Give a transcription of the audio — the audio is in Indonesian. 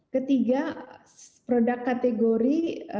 ketiga produk kategori